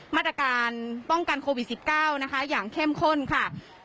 มาตรการป้องกันโควิด๑๙นะคะอย่างเข้มข้นค่ะ